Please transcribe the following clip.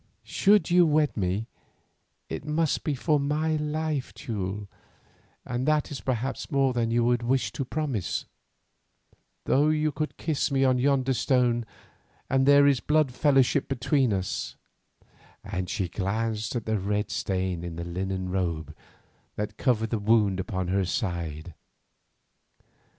Should you wed me, it must be for my life, Teule, and that is perhaps more than you would wish to promise, though you could kiss me on yonder stone and there is blood fellowship between us," and she glanced at the red stain in the linen robe that covered the wound upon her side.